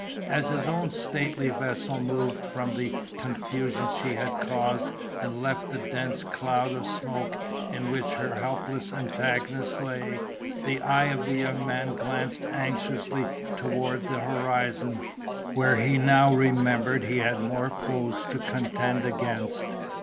As his own stately vessel moved from the confusion she had caused, and left the dense cloud of smoke in which her helpless antagonist lay, the eye of the young man glanced anxiously towards the horizon, where he now remembered he had more foes to contend against.